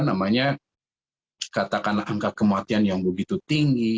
namanya katakanlah angka kematian yang begitu tinggi